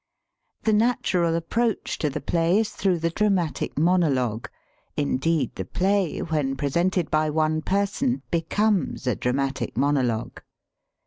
The natural approach to the play is through the dramatic monologue. Indeed the play, when presented by one person, becomes a dramatic monologue.